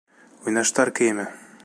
Уйнаштар кейеме!